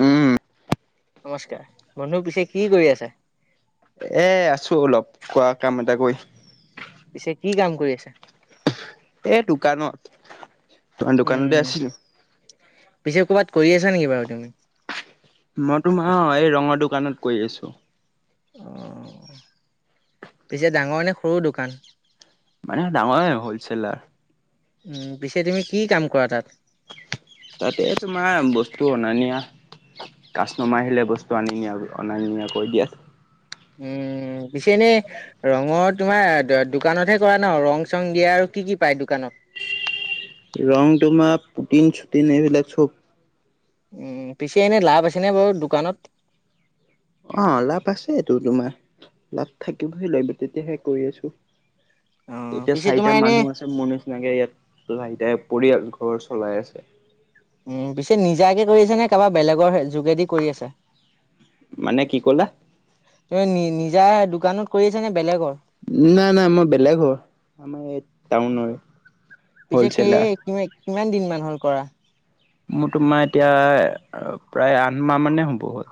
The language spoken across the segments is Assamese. উম। নমস্কাৰ। বন্ধু পিছে কি কৰি আছে? এ, আছোঁ অলপ, কোৱা কাম এটা কৰি। পিছে কি কাম কৰি আছে? এই দোকানত। তোমাৰ দোকানতে উম, আছিলো পিছে ক'বাত কৰি আছা নেকি বাৰু তুমি? মই তোমাৰ এই ৰঙৰ দোকানত কৰি আছোঁ। অ' পিছে ডাঙৰ নে সৰু দোকান? মানে ডাঙৰে হ'লছেলাৰ। উম, পিছে তুমি কি কাম কৰা তাত? তাতে তোমাৰ বস্তু অনা নিয়া। কাষ্টমাৰ আহিলে বস্তু আনি নিয়া, অনা নিয়া কৰি দিয়া। উম, পিছে এনে ৰঙৰ তোমাৰ দোকানতহে কৰা ন', ৰং চং দিয়া আৰু কি কি পায় দোকানত? ৰং তোমাৰ পুটিন চুটিন এইবিলাক চব উম, পিছে এনে লাভ আছেনে বাৰু দোকানত? অ' লাভ আছেতো তোমাৰ, লাভ থাকিবই লাগিব তেতিয়াহে কৰি আছোঁ। অ এতিয়া পিছে চাৰিটা তোমাৰ এনে মানুহ আছে মোৰ নিচিনাকে ইয়াত চাৰিটাই পৰিয়াল ঘৰ চলাই আছে। উম, পিছে নিজাকে কৰি আছে নে কাৰোবাৰ বেলেগৰ যোগেদি কৰি আছে? মানে কি কলা? তুমি নি-নিজা দোকানত কৰি আছা নে বেলেগৰ? নাই নাই মই বেলেগ হয়, আমাৰ এই টাউনৰে। পিছে কি হলচেলাৰ কি-কিমান দিন মান হ'ল কৰা? মোৰ তোমাৰ এতিয়া প্ৰায় আঠমাহ মানে হ'ব হ'ল।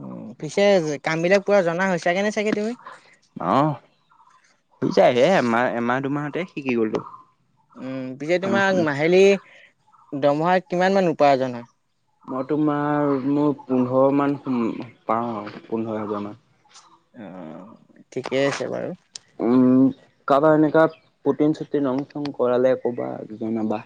উ, পিছে কামবিলাক পুৰা জনা হৈছাগে নে চাগে তুমি? অ' হৈ যায় হে এমাহ এমাহ দুমাহতে শিকি গ'লো। উম, পিছে কাম চাম তোমাৰ মাহিলী দমৰ্হা কিমানমান উপাৰ্জন হয়? মই তোমাৰ মোৰ পোন্ধৰমান পাওঁ পোন্ধৰ হেজাৰমান। অ' ঠিকেই আছে বাৰু। উম, কাবাৰ এনেকা পুটিন চুটিন ৰং চং কৰালে কবা, জনাবা।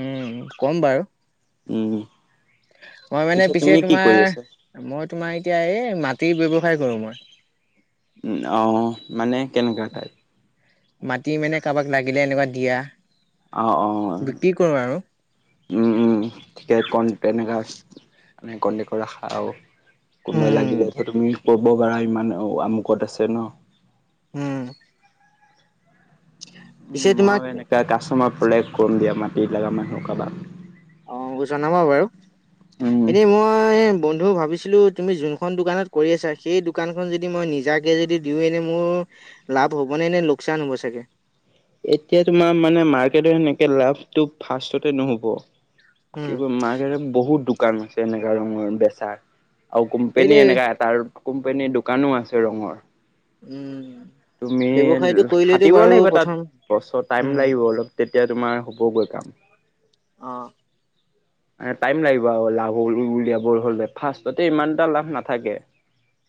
উম, ক'ম বাৰু। উম। মই মানে পিছে তুমি কি কৰি আছা তোমাৰ মই তোমাৰ এতিয়া এই মাটিৰ ব্যৱসায় কৰো মই। উ, অ' মানে কেনেকুৱা টাইপ? মাটি মানে কাৰোবাক লাগিলে এনেকুৱা দিয়া। অ', অ'। বিক্ৰী কৰো আৰু। উম, উম, ঠিকেই কন তেনেকা মানে কণ্টেক্টৰ ৰাখা আৰু। কোনবাই উম, লাগিলেতো তুমি ক'ব পাৰা ইমান আমুকত আছে ন'? উম, পিছে উম, তোমাক মই এনেকা কাষ্টমাৰ পালে ক'ম দিয়া মাটিত লগা মানুহ কাবাক। অ' জনাবা বাৰু। উম, এনেই মই বন্ধু ভাবি ছিলো তুমি যোনখন দোকানত কৰি আছা সেই দোকানখন যদি মই নিজাকে যদি দিও এনে মোৰ লাভ হ'বনে নে লোকচান হ'ব চাগে? এতিয়া তোমাৰ মানে মাৰ্কেটৰ সেনেকে লাভটো ফাৰ্ষ্টতে নহ'ব। কি উম। কয় মাৰ্কেটত বহুত দোকান আছে এনেকা ৰঙৰ বেচা। আৰু কোম্পেনী সেইটোৱে এনেকা এটাৰ কোম্পেনীৰ দোকানো আছে ৰঙৰ। উম। তুমি ব্যৱসায়টো কৰিলেতো খাটিব বাৰু লাগিব তাত প্ৰথম বছৰ টাইম উম। লাগিব অলপ। তেতিয়া তোমাৰ হ'বগৈ কাম। অ'। টাইম লাগিব আৰু লাভ উলিয়াব হ'লে ফাষ্টতে ইমান এটা লাভ নাথাকে।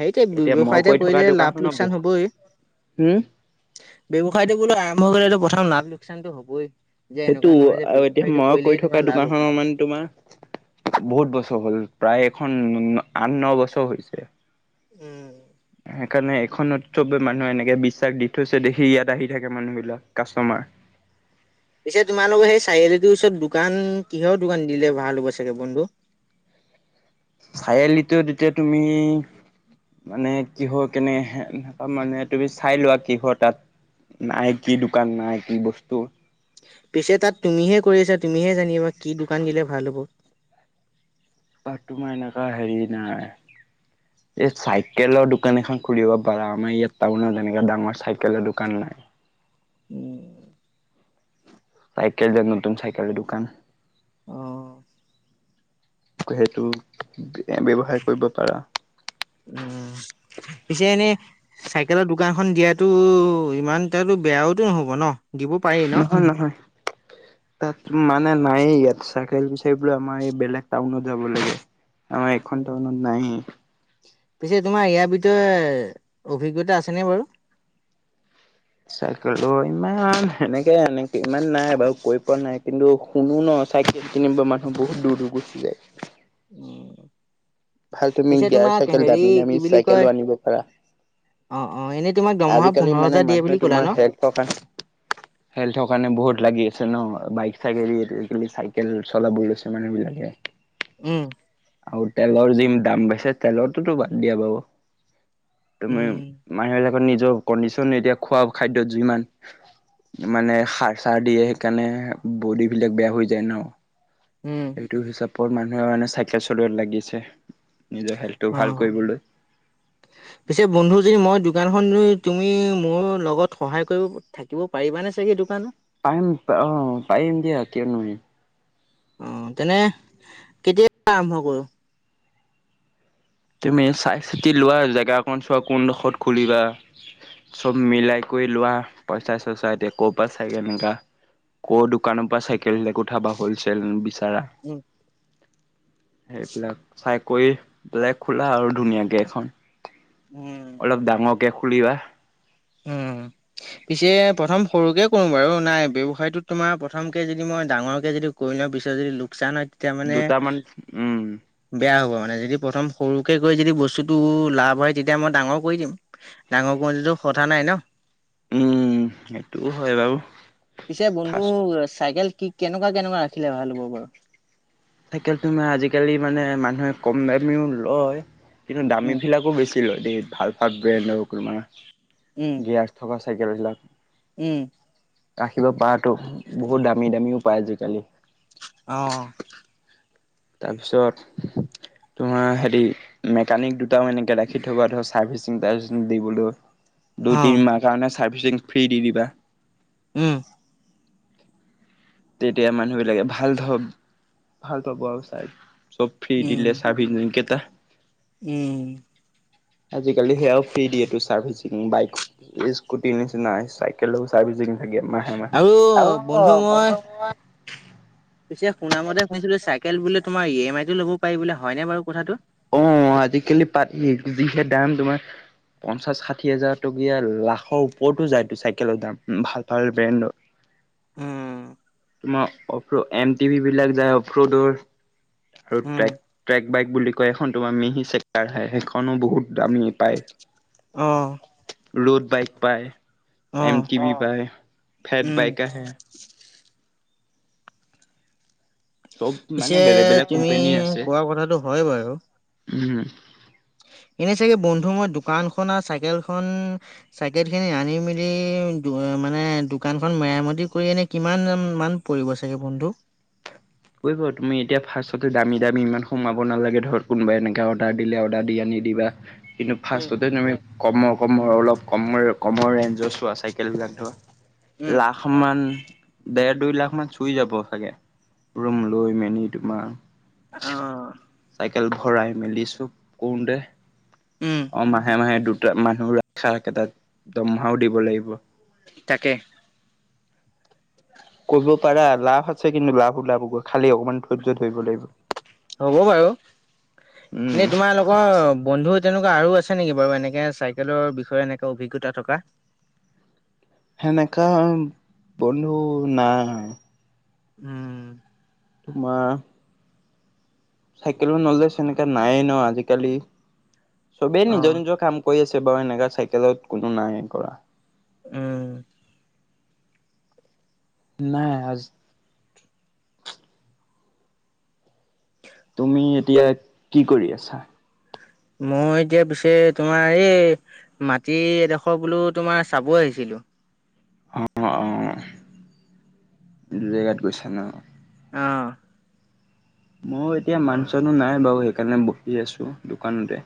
সেইটো এতিয়া মই ব্যৱসায়তো কৰি থকা কৰিলে লাভ দোকানখনৰ লোকচান বহু হবই। হম ব্যৱসায়টো বোলো আৰম্ভ কৰিলেটো প্ৰথম লোকচানটো হবই। যে সেইটো এনেকুৱা নহয় যে আৰু এতিয়া ব্যৱসায়টো মই কৰিলেই কৰি তোমাৰ থকা লাভ হ'ব। দোকানখনৰ মানে তোমাৰ বহুত বছৰ হ'ল প্ৰায় এখন আঠ ন, বছৰ হৈছে। উম। কাৰণে এখনত চবে মানুহে এনেকে বিশ্বাস দি থৈছে দেখি ইয়াত আহি থাকে মানুহ বিলাক কাষ্টমাৰ পিছে তোমালোকৰ সেই চাৰিআলিটোৰ ওচৰত দোকান কিহৰ দোকান দিলে ভাল হ'ব চাগে বন্ধু? চাৰিআলিত এতিয়া তুমি মানে কিহৰ কেনে মানে তুমি চাই লোৱা কিহৰ তাত নাই কি দোকান নাই কি বস্তু পিছে তাত তুমিহে কৰি আছা তুমিহে জানিবা কি দোকান দিলে ভাল হ'ব। তাত তোমাৰ এনেকুৱা হেৰি নাই। এই চাইকেলৰ দোকান এখন খুলিব পাৰা আমাৰ ইয়াত টাউনত এনেকে ডাঙৰ চাইকেলৰ দোকান নাই। উম। চাইকেল য দোব নহতুম চাইকেলৰ দ-দুকান অ'। সেইটো ব্যৱসায় কৰিব পাৰা। উম। পিছে এনে চাইকেলৰ দোকানখন দিয়াতো ইমান তাতো বেয়াওতো নহ'ব ন। দিব পাৰিম। নহয়, নহয়। তাত মানে নায় ইয়াত চাইকেল, চাই বো আমাৰ এই বেলেগ টাউনত যাব লাগে। আৰ এখন নাই। পিছে তোমাৰ ইয়াৰ ভিতৰত অভিজ্ঞতা আছেনে বাৰু। চাইকেল ইমান এনেকে এনে ইমান নাই বাৰু কৰি পোৱা নাই কিন্তু। কোনো ন চাইকেল কিনিব মানুহ বহুত দূৰূৰ গুচি যায়। উম। ভাল তুমি পিছে গিয়াৰ তোমাক চাইকেল হেৰি দামী দামী কি বুলি কয়। চাইকেলো আনিব পাৰা। অ', অ', এনেই তোমাক দমহা পোন্ধৰ হাজাৰিয়ে বুলি কলা ন। কপন হেল থৰ কাৰণে বহুত লাগি আছে ন বাইক চাগে চাইকেল চলাব লৈছে মানুহ বিলাকে। [inaudible] উম। আৰু তেলৰ যি দাম বাছে তেলটোতো বাদ দিয়া পাব। তমাৰ উম, মানুহবিলাকৰ নিজৰ কণ্ডিশন এতিয়া খোৱা খাদ্যয় যুইমান মানে সাৰ চাৰ দিয়ে সেইকাৰণে বড বিলাক বেয়া হৈ যায় ন। সেইটো হিচাপত মানুহে মানে চাইকেল চলোৱাত লাগিছে নিজৰ হেল্থটো ভাল অ'। কৰিবলৈ। পিছে বন্ধু যদি মই দোকানখন ই তুমি মোৰ লগত সহায় কৰিব। থাকিব পাৰিবানে চাগেই দোকানত। পাইম অ, পাইম দিয়া কিয় নোৱা অ, তেনে কেতিয়া আৰম্ভ কৰো। তুমি চাই, চাতি লোৱা জেগা অকন চোৱা কোনডোখৰত খুলিবা চব মিলাই কৰি লোৱা পইচা, চইচা এতিয়া ক'ৰবাত চাগে এনেকা ক' দোকানৰ পৰা চাইকেল হ কঠাবা হ'লচেলচ উম, সেইবিলাক চাই কৰি বেলেগ খোলা আৰু ধুনীয়াকে এখন, উম, অলপ ডাঙৰকে খুলিবা। উম। [inaudible] পিছে প্ৰথম সৰুকে কৰো বাৰু, নাই ব্যৱসায়টোত তোমাৰ প্ৰথম কে যদি মই ডাঙৰকে যদি কৰি লো পিছত যদি লোকচান হয় তেতিয়া মানে দুটামান উম বেয়া হ'ব মানে, যদি প্ৰথম সৰুকে কৰি যদি বস্তুটো লাভ হয়, তেতিয়া মই ডাঙৰ কৰি দিম। ডাঙৰ [unintelligible] নাই ন উম সেইটোও হয় বাৰু। পিছে বন্ধু ফাৰ্ষ্ট চাইকেল কি কেনেকুৱা কেনেকুৱা ৰাখিলে ভাল হ'ব বাৰু? চাইকেল তোমাৰ আজিকালি মানে মানুহে কম দামীও লয়, কিন্তু দামী উম বিলাকো বেছি ভাল ভাল ব্ৰেণ্ডৰ [unintelligible] উম গিয়াৰ থকা চাইকেলবিলাক উম। ৰাখিব পৰাতো, বহুত দামী দামীও পায় আজিকালি। অ। তাৰপিছত তোমাৰ হেৰি মেকানিক দুটাও এনেকে ৰাখি থবা ধৰ চাৰ্ভিচিং তাৰ্ভিচিং দিবলৈ। দুই অ তিনিমাহ কাৰণে চাৰ্ভিচিং ফ্ৰী দি দিবা। উম। তেতিয়া মানুহ বিলাকে ভাল ধ ভাল পাব আৰু চাই। চব ফ্ৰী দিলে উম স্বাভিনি কেইটা। উম। আজিকালি সেয়াও ফ্ৰী দিয়েতো চাৰ্ভিচিং বাইক স্কুটিৰ নিচিনা। কেলেও ছাৰ্ভিচিং থাকে মাহে মাহে আৰু আৰু বন্ধু মই বন্ধ পিছে শুনামতে শুনিছিলো চাইকেল বোলে তোমাৰ ই এম আই ল'ব পাৰি বলে হয় নে বাৰু কথাটো? অ আজিকালি পাতি যিহে দাম তোমাৰ। পঞ্চাশ ষাঠি হাজাৰ টকীয়া, লাখৰ ওপৰতো যায়টো চাইকেলৰ দাম ভাল ভাল ব্ৰেণ্ডত। [inaudible] উম তোমাৰ অফ এম টিভি বিলাক যায় অফৰোডৰ আৰু উম ট্ৰেক ট্ৰেক বাইক বুলি কয় এখন তোমাৰ মেহি চেকাৰ খাই সেইখনো বহুত দামি পায়। অ। ৰ'ড বাইক পায়, অ এম টি ভি পায়, ফেট উম, বাইক আহে, মানে পিছে বেলেগ বেলেগ তুমি কোম্পানী আছে। কোৱা কথাটো হয় বাৰু। উ এনে চাগে বন্ধু মই দোকান খন আৰু চাইকেলখন চাইকেট খিনি আনি মেলি মানে দোকানখন মেৰামতি কৰি এনে কিমান মান পৰিব চাগে বন্ধু? তুমি এতিয়া ফাৰ্ষ্টতে দামী দামী ইমান সোমাব নালাগে ধৰক কোনোবা এনেকা অৰ্ডাৰ দিলে অৰ্ডাৰ দি আনিদিবা। কিন্তু উম, ফাৰ্ষ্টতে তুমি কমৰ কমৰ অলপ কম কমৰ ৰেঞ্জৰ চোৱা চাইকেল বিলাক ধোৰা। উম, লাখ মান দেৰ-দুই লাখ মান চুই যাব চাগে। ৰুম লৈ মেলি তোমাৰ অ। চাইকেল ভৰাই মেলিছো চব কৰোঁতে উম, অ মাহে মাহে দুটা মানুহ ৰখা কেইটাক দমহাও দিব লাগিব। থাকে। কৰিব পাৰা। লাভ আছে, কিন্তু লাভ ওলাভ গৈ খালি অকমান ধৈৰ্য ধৰিব লাগিব। হ'ব বাৰু উম এনেই তোমাৰ লগত অ বন্ধু তেনেকুৱা আৰু আছে নেকি বাৰু এনেকে চাইকেলৰ বিষয়ে এনেকে অভিজ্ঞতা থকা। সেনেকা বন্ধু নাই। উম। তোমাৰ চাইকেলো নলেজ এনেকা নাইে ন আজিকালি, চবেই নিজৰ অ', নিজৰ কাম কৈ আছে বাৰু এনেকা চাইকেলত কোনো নাই কৰা। উম। নাই আজি তুমি এতিয়া কি কৰি আছা? মই এতিয়া পিছে তোমাৰ এই মাটি এডোখৰ বোলো তোমাৰ চাবই আহিছিলো। অ', অ', দু জেগাত গৈছা ন। অ'। মই এতিয়া মাং চনো নাই বাৰু সেইকাৰণে বহি আছো দোকানতে।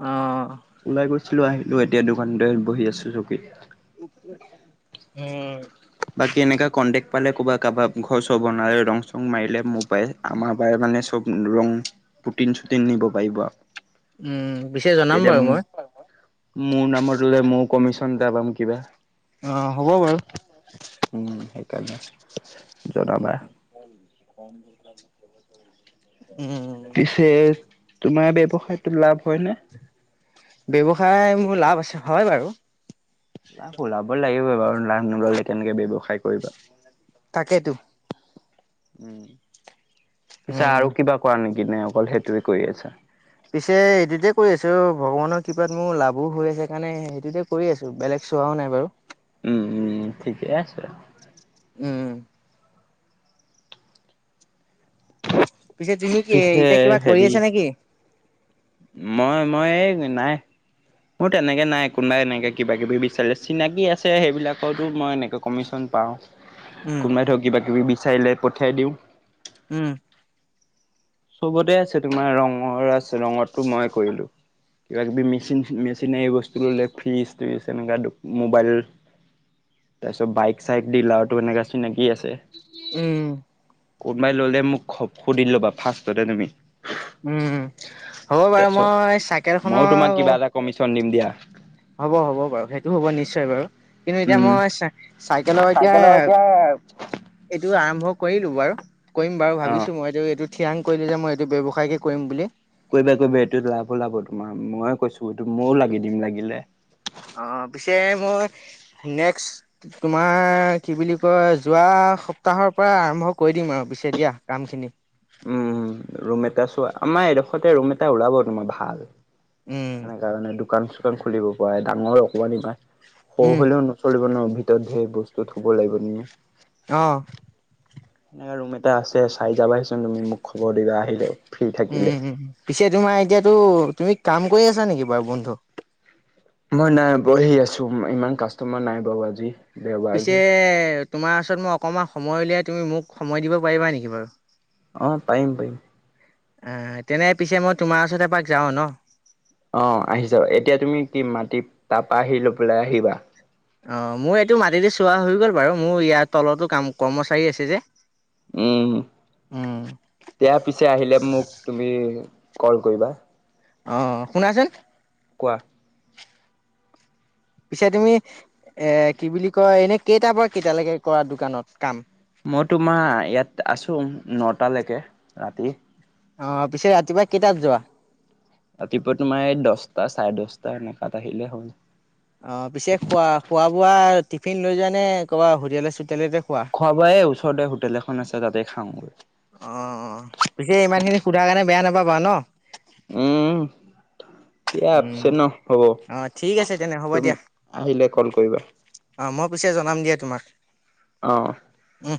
অ'। ওলাই গৈছিলো আহিলো এতিয়া দোকানতে বহি আছো চকী উম। বাকী এনেককা কণ্টেকট পালে কৰোব, কাৰোবাক ঘৰ চব বনালে ৰং চং মাৰিলে মোবাই আমাৰ ব মানে চব ৰং পুটিন, চুটিন নিব পাৰিব আৰু। উম, পিছে জনাম বাৰু মই। তেতিয়া মোৰ নামত ললে মোৰ কমিশন এটা পাম কিবা। অ, হ'ব বাৰু। উম, সেইকাৰণে জনাবা। উম। পিছে তোমাৰ বৱসায়তো লাভ হয় ন। ব্যৱসায় মোৰ লাভ আছে হয় বাৰু। লাভ ওলাবই লাগিব বাৰু লাভ নললে কেনেকে ব্যৱসায় কৰিবা। তাকেইতো। উম, পিছে উম। আৰু কিবা কোৱা নেকি নাই অকল সেইটোৱে কৰি আছে। পিছে এইটোতে কৰি আছো ভগৱানৰ কৃপাত মোৰ লাভো হৈ আছে কাৰণে সেইটোতে কৰি আছোঁ বেলেগ চোৱাও নাই বাৰু। উম, উম, ঠিকেই আছো। উম। পিছে তুমি কি পিছে এতিয়া কিবা কৰি হেৰি আছা নেকি। মই, মই, এই নাই। মোৰ তেনেকৈ নাই কোনোবাই এনেকৈ কিবা, কিবি বিচাৰে চিনাকি আছে সেইবিলাকতো মই এনেকৈ কমিশ্যন পাওঁ। [inaudible] উম। কোই ধৰক কিবাকিবি বিচাৰিলে পঠিয়াই দিওঁ। উম। চবতে আছে তোমাৰ ৰঙৰ আছে, ৰঙতটো মই কৰিলো। কিবাকিবি মেচিন, মেচিন বস্তু ল'লে ফ্ৰিজ, ট্ৰিজ এনেকুৱা মোবাইল তাৰপিছত বাইক, চাইক ডিলাৰো এনেকা চিনাকি আছে। উম। কোনোবাই ললে মোক সুধিল লবা ফাৰ্ষ্টতে তুমি হ'ব বাৰু মই চাইকেলখনৰ কমিশ্যন দিম দিয়া। হ'ব, হ'ব বাৰু সেইটো হ'ব নিশ্চয় বাৰু। কিন্তু এতিয়া উম। মই চ, চাইকেলৰ এতিয়া এইটো আৰম্ভ কৰিলো বাৰু কৰিম বাৰু অ'। ভাবিছো মইতটো এইটো থিৰাং কৰিলে যে মই এইটো ব্যৱসায়কে কৰিম বুলি কৰিবা, কৰিবা এইটো লাভোওলাব তোমাৰ ময় কৈছো ময়ো লাগি দিম লাগিলে। অ, পিছে মই নেক্স তোমাৰ কি বুলি কয় যোৱা সপ্তাহৰ পৰা আৰম্ভ কৰি দিম আৰু পিছে দিয়া কামখিনি। উম, ৰুম এটা চোৱা আমাৰ এডোখৰতে ৰুম এটা ওলাব তোমাৰ ভাল। উম এনে কাৰণে দোকান, চোকান খুলিব পৰা ডাঙৰ অকমান ইমমান সৰু উম হ'লেও চলিব নোৱাৰ ভিতৰত ধেৰ বস্তু থ'ব লাগিব নেকি। অ, সেনে ৰুম এটা আছে চাই যাবাহিচোন তুমি মোক খবৰ দিবা আহিলেও। ফ্ৰী উম, থাকিলে। উম, পিছে তোমাৰ এতিয়াতো তুমি কাম কৰি আছা নেকি বাৰু বন্ধু। মই নাই বহি আছো ইমান কাষ্টমাৰ নাই বাৰু আজি। দেওবাৰ পিছে যে। তোমাৰ ওচৰত মোক অকণমান সময় উলিয়াই তুমি মোক সময় দিব পাৰিবা নেকি বাৰু। অ, পাৰিম পাৰিম। অ, তেনে পিছে মই তোমাৰ ওচৰত এপাক যাওঁ ন। অ, আহিছ এতিয়া তুমি কি মাটি তাপৰা আহি লৈ পেলাই আহিবা। অ, মোৰ এইটো মাটিতে চোৱা হৈ গ'ল বাৰু মোৰ ইয়াৰ তলতো কাম কৰ্মচাৰী আছে যে। উম, দিয়া পিছে আহিলে মোক তুমি কল কৰিবা। অ, শুনাচোন। কোৱা। পিছে তুমি এ কি বুলি কয় এনে কেইটাৰ পৰা কেইটালৈকে কৰা দোকানত কাম। মই তোমাৰ ইয়াত আছোঁ নটা লৈকে ৰাতি। অ, পিছে ৰাতিপুৱা কেইটাত যোৱা। ৰাতিপুৱা তোমাৰ এই দহটা চাৰে দহটা এনেকাত আহিলে হ'ল। অ, পিছে খোৱা খোৱা বোৱা টিফিন লৈ যোৱা নে ক'বা হোটেল চোটেলতে খোৱা। সোৱা-বোৱা ওচৰতে হোটেল এখন আছে তাতে খাওঁগৈ। অ, অ। পিছে ইমান খিনি সোধাৰ কাৰণে বেয়া নাপাবা, ন? উম, তিয়া উম, আপছে ন, হ'ব। অ', ঠিক আছে তেনে হ'ব তুমি দিয়া আহিলে ক'ল কৰিবা। অ, মই পিছে জনাম দিয়া তোমাক। অ, উম,